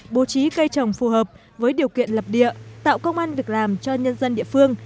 bố trí cây trồng phù hợp với điều kiện lập địa tạo công an việc làm cho nhân dân địa phương